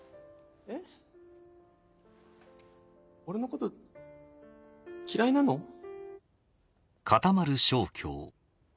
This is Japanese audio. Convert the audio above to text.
俺のこと嫌いなの？